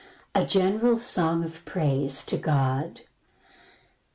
8 13. A general song of praise to God.